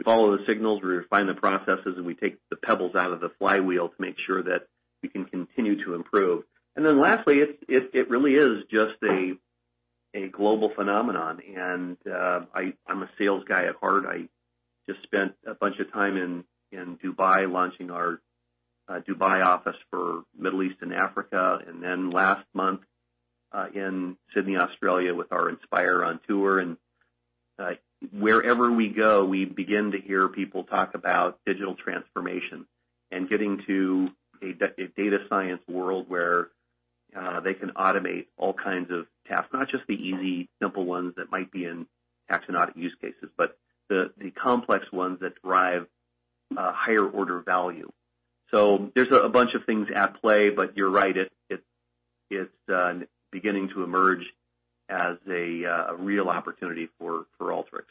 follow the signals, we refine the processes, and we take the pebbles out of the flywheel to make sure that we can continue to improve. Lastly, it really is just a global phenomenon, and I'm a sales guy at heart. I just spent a bunch of time in Dubai launching our Dubai office for Middle East and Africa, and then last month in Sydney, Australia with our Inspire on tour. Wherever we go, we begin to hear people talk about digital transformation and getting to a data science world where they can automate all kinds of tasks, not just the easy, simple ones that might be in taxonomic use cases, but the complex ones that drive higher order value. There's a bunch of things at play, but you're right, it's beginning to emerge as a real opportunity for Alteryx.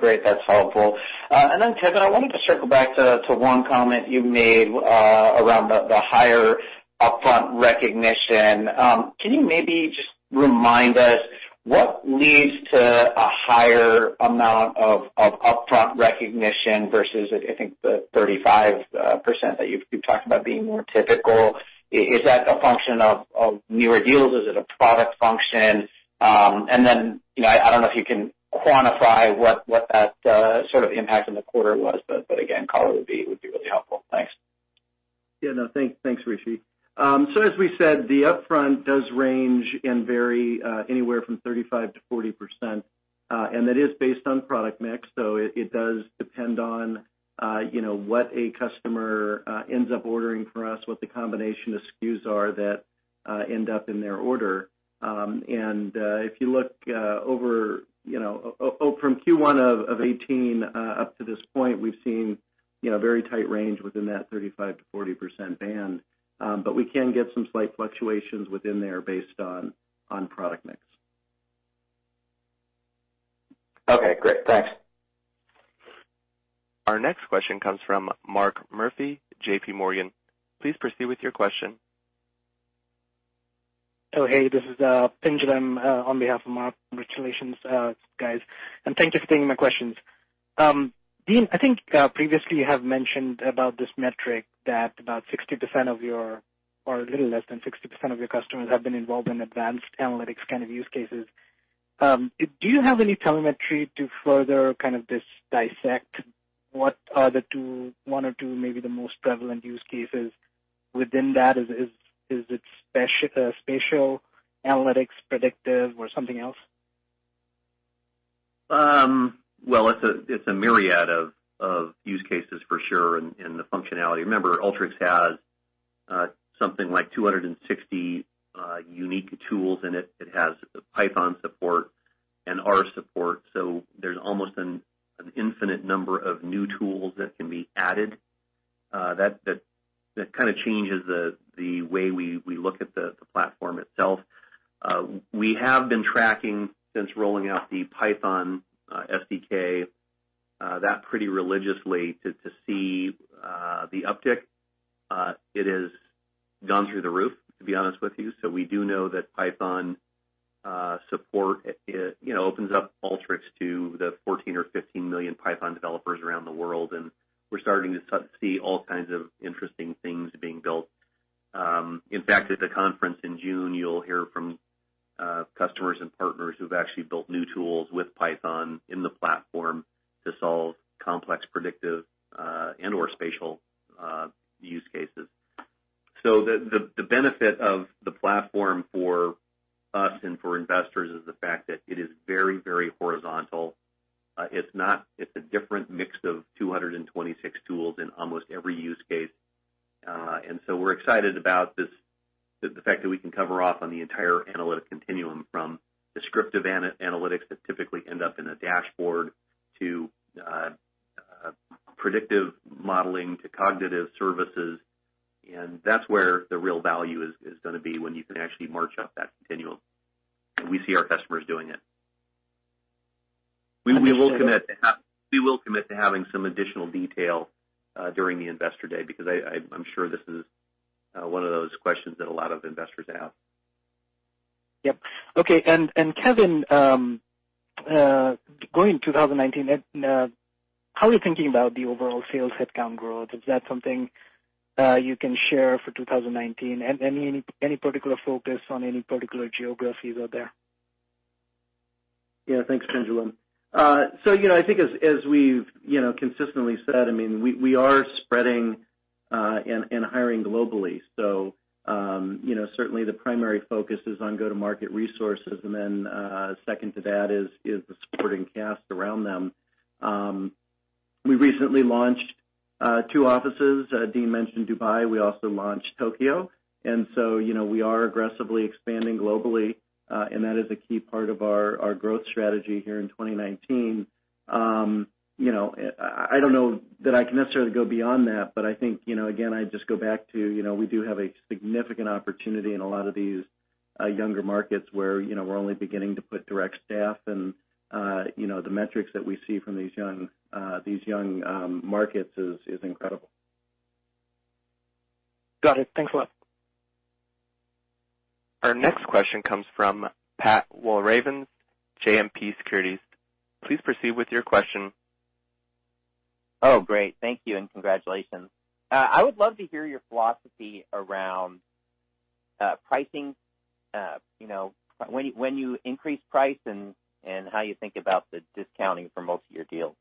Great. That's helpful. Kevin, I wanted to circle back to one comment you made around the higher upfront recognition. Can you maybe just remind us what leads to a higher amount of upfront recognition versus, I think, the 35% that you've talked about being more typical? Is that a function of newer deals? Is it a product function? I don't know if you can quantify what that sort of impact in the quarter was, but again, color would be really helpful. Thanks. Thanks, Rishi. As we said, the upfront does range and vary anywhere from 35%-40%, and that is based on product mix. It does depend on what a customer ends up ordering from us, what the combination of SKUs are that end up in their order. If you look from Q1 of 2018 up to this point, we've seen very tight range within that 35%-40% band. We can get some slight fluctuations within there based on product mix. Okay, great. Thanks. Our next question comes from Mark Murphy, JPMorgan. Please proceed with your question. Hey, this is Pinjalim on behalf of Mark. Congratulations, guys, and thank you for taking my questions. Dean, I think previously you have mentioned about this metric that about 60% of your, or a little less than 60% of your customers have been involved in advanced analytics kind of use cases. Do you have any telemetry to further kind of dissect what are the one or two maybe the most prevalent use cases within that? Is it spatial analytics, predictive, or something else? It's a myriad of use cases for sure in the functionality. Remember, Alteryx has something like 260 unique tools in it. It has Python support and R support. There's almost an infinite number of new tools that can be added. That kind of changes the way we look at the platform itself. We have been tracking since rolling out the Python SDK that pretty religiously to see the uptick. It has gone through the roof, to be honest with you. We do know that Python support opens up Alteryx to the 14 or 15 million Python developers around the world, and we're starting to see all kinds of interesting things being built. In fact, at the conference in June, you'll hear from customers and partners who've actually built new tools with Python in the platform to solve complex predictive and/or spatial use cases. The benefit of the platform for us and for investors is the fact that it is very horizontal. It's a different mix of 226 tools in almost every use case. We're excited about the fact that we can cover off on the entire analytic continuum from descriptive analytics that typically end up in a dashboard to predictive modeling to cognitive services. That's where the real value is going to be, when you can actually march up that continuum. We see our customers doing it. We will commit to having some additional detail during the investor day, because I'm sure this is one of those questions that a lot of investors have. Yep. Okay, Kevin, going into 2019, how are you thinking about the overall sales headcount growth? Is that something you can share for 2019? Any particular focus on any particular geographies out there? Yeah. Thanks, Pinjalim. I think as we've consistently said, we are spreading and hiring globally. Certainly the primary focus is on go-to-market resources, and then second to that is the supporting cast around them. We recently launched two offices. Dean mentioned Dubai. We also launched Tokyo. We are aggressively expanding globally. That is a key part of our growth strategy here in 2019. I don't know that I can necessarily go beyond that, I think, again, I'd just go back to we do have a significant opportunity in a lot of these younger markets where we're only beginning to put direct staff. The metrics that we see from these young markets is incredible. Got it. Thanks a lot. Our next question comes from Patrick Walravens, JMP Securities. Please proceed with your question. Great. Thank you. Congratulations. I would love to hear your philosophy around pricing. When you increase price and how you think about the discounting for most of your deals.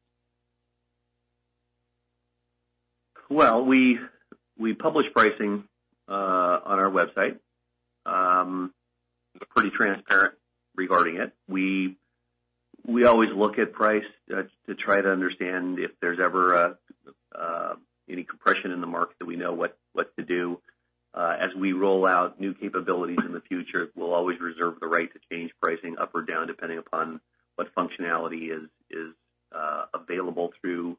Well, we publish pricing on our website. We're pretty transparent regarding it. We always look at price to try to understand if there's ever any compression in the market that we know what to do. As we roll out new capabilities in the future, we will always reserve the right to change pricing up or down, depending upon what functionality is available through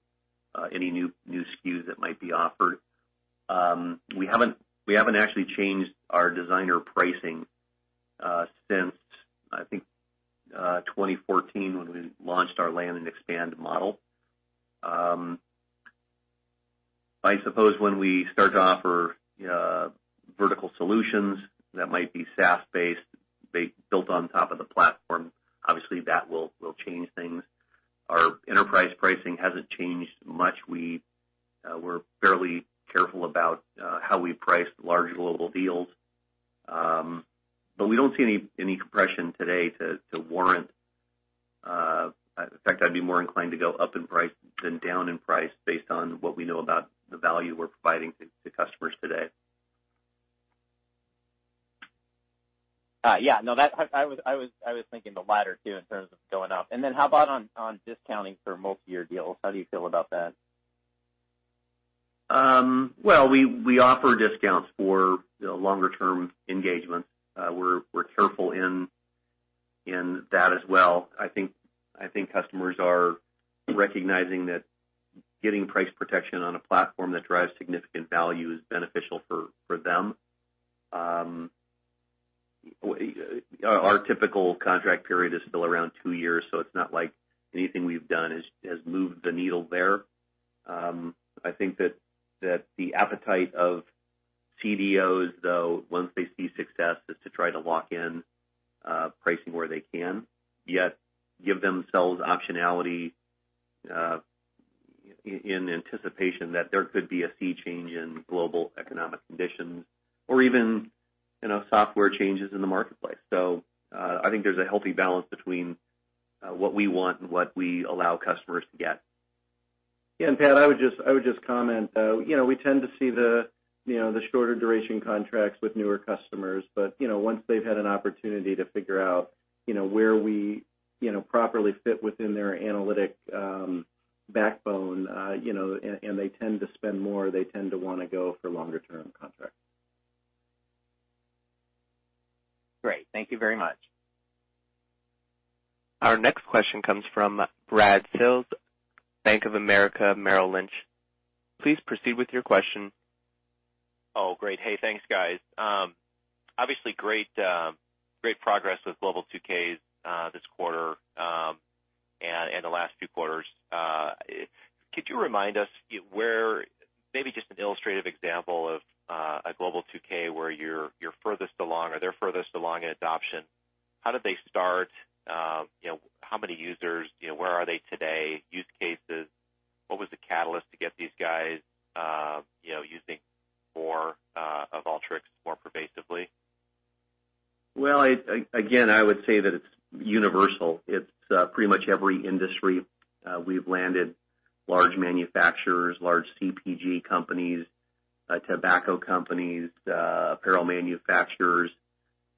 any new SKUs that might be offered. We haven't actually changed our Designer pricing since, I think, 2014 when we launched our land and expand model. I suppose when we start to offer vertical solutions that might be SaaS-based, built on top of the platform, obviously that will change things. Our enterprise pricing hasn't changed much. We're fairly careful about how we price large global deals. We don't see any compression today. In fact, I'd be more inclined to go up in price than down in price based on what we know about the value we're providing to customers today. Yeah. No, I was thinking the latter, too, in terms of going up. How about on discounting for multi-year deals? How do you feel about that? Well, we offer discounts for longer-term engagements. We're careful in that as well. I think customers are recognizing that getting price protection on a platform that drives significant value is beneficial for them. Our typical contract period is still around two years, so it's not like anything we've done has moved the needle there. I think that the appetite of CDOs, though, once they see success, is to try to lock in pricing where they can, yet give themselves optionality in anticipation that there could be a sea change in global economic conditions or even software changes in the marketplace. I think there's a healthy balance between what we want and what we allow customers to get. Yeah. Pat, I would just comment, we tend to see the shorter duration contracts with newer customers. Once they've had an opportunity to figure out where we properly fit within their analytic backbone, they tend to spend more, they tend to want to go for longer-term contracts. Great. Thank you very much. Our next question comes from Brad Sills, Bank of America Merrill Lynch. Please proceed with your question. Oh, great. Hey, thanks, guys. Obviously, great progress with Global 2Ks this quarter and the last few quarters. Could you remind us where, maybe just an illustrative example of a Global 2K where you're furthest along or they're furthest along in adoption, how did they start? How many users? Where are they today? Use cases? What was the catalyst to get these guys using more of Alteryx more pervasively? Well, again, I would say that it's universal. It's pretty much every industry. We've landed large manufacturers, large CPG companies, tobacco companies, apparel manufacturers,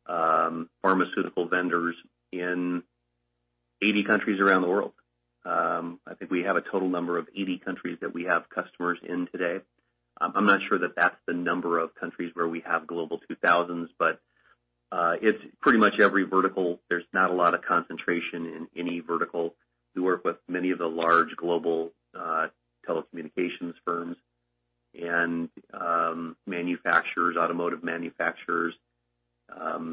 pharmaceutical vendors in 80 countries around the world. I think we have a total number of 80 countries that we have customers in today. I'm not sure that that's the number of countries where we have Global 2000s, it's pretty much every vertical. There's not a lot of concentration in any vertical. We work with many of the large global telecommunications firms and manufacturers, automotive manufacturers.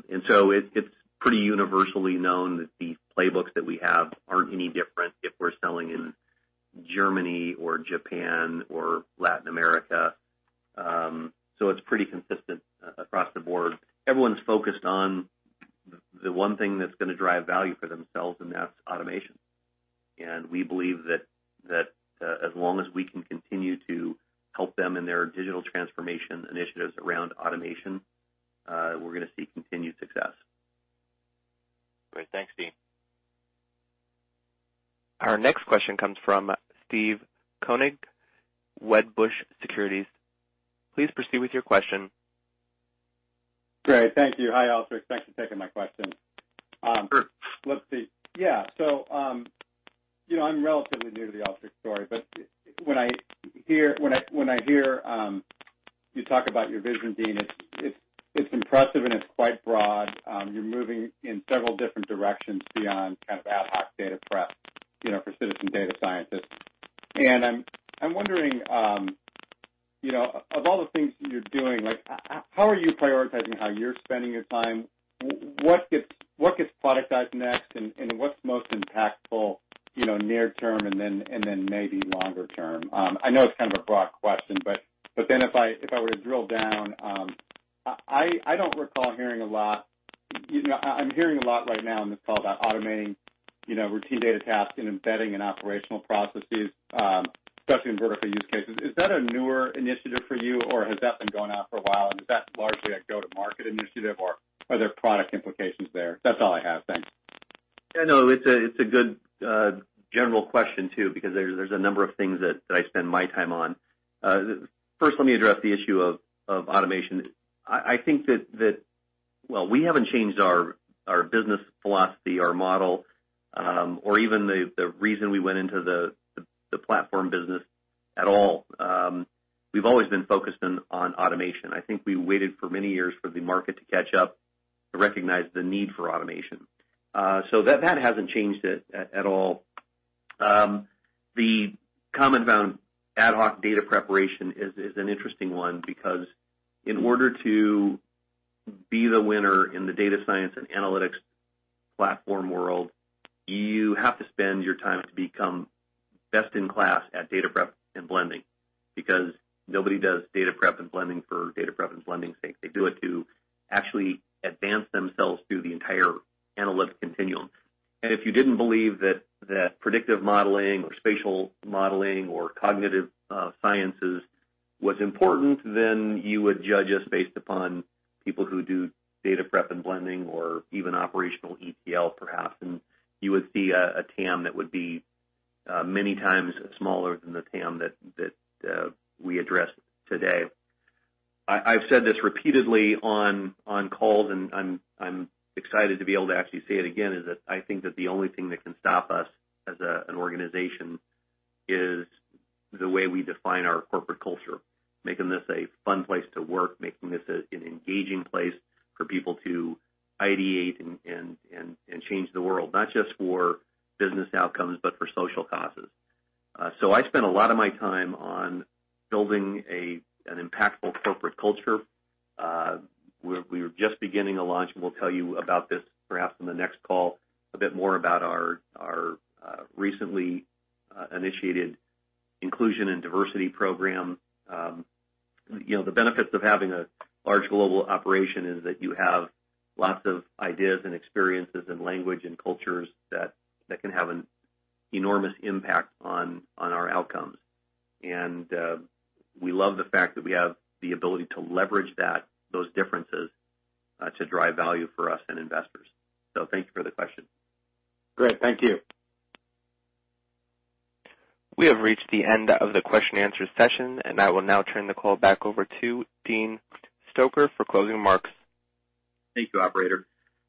It's pretty universally known that the playbooks that we have especially in vertical use cases. Is that a newer initiative for you, or has that been going on for a while? Is that largely a go-to-market initiative, or are there product implications there? That's all I have. Thanks. No, it's a good general question, too, because there's a number of things that I spend my time on. First, let me address the issue of automation. I think that, well, we haven't changed our business philosophy, our model, or even the reason we went into the platform business at all. We've always been focused on automation. I think we waited for many years for the market to catch up to recognize the need for automation. That hasn't changed at all. The comment about ad hoc data preparation is an interesting one because in order to be the winner in the data science and analytics platform world, you have to spend your time to become best in class at data prep and blending, because nobody does data prep and blending for data prep and blending's sake. They do it to actually advance themselves through the entire analytic continuum. If you didn't believe that predictive modeling or spatial modeling or cognitive sciences was important, you would judge us based upon people who do data prep and blending or even operational ETL, perhaps, you would see a TAM that would be many times smaller than the TAM that we address today. I've said this repeatedly on calls, and I'm excited to be able to actually say it again, is that I think that the only thing that can stop us as an organization is the way we define our corporate culture, making this a fun place to work, making this an engaging place for people to ideate and change the world, not just for business outcomes, but for social causes. I spend a lot of my time on building an impactful corporate culture. We're just beginning a launch, and we'll tell you about this perhaps on the next call, a bit more about our recently initiated Inclusion and Diversity program. The benefits of having a large global operation is that you have lots of ideas and experiences and language and cultures that can have an enormous impact on our outcomes. We love the fact that we have the ability to leverage those differences to drive value for us and investors. Thank you for the question. Great. Thank you. We have reached the end of the question and answer session, I will now turn the call back over to Dean Stoecker for closing remarks. Thank you, operator.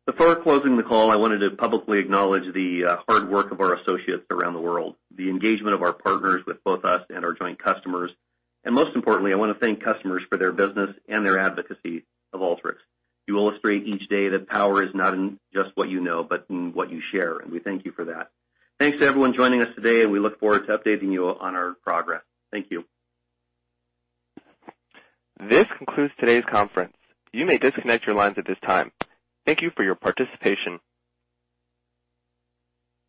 Before closing the call, I wanted to publicly acknowledge the hard work of our associates around the world, the engagement of our partners with both us and our joint customers, and most importantly, I want to thank customers for their business and their advocacy of Alteryx. You illustrate each day that power is not in just what you know, but in what you share, and we thank you for that. Thanks to everyone joining us today, and we look forward to updating you on our progress. Thank you. This concludes today's conference. You may disconnect your lines at this time. Thank you for your participation.